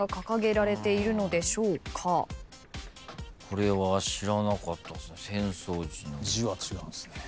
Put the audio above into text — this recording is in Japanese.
これは知らなかったっすね